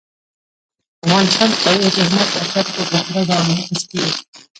افغانستان کې تاریخ د هنر په اثارو کې په پوره ډول منعکس کېږي.